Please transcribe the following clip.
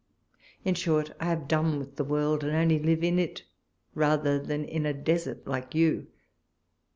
In short, I have done with the world, and live in it rather than in a desert, like you.